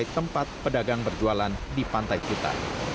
air laut mencapai tempat pedagang berjualan di pantai kuta